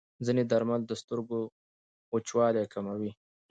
ځینې درمل د سترګو وچوالی کموي.